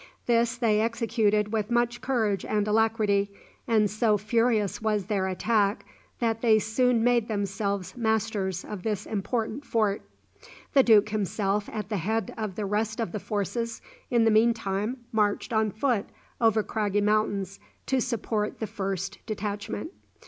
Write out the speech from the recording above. This they executed with much courage and alacrity, and so furious was their attack, that they soon made themselves masters of this important fort. The Duke himself, at the head of the rest of the forces, in the meantime marched on foot over craggy mountains to support the first detachment.